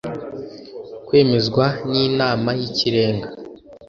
kwemezwa n Inama y Ikirenga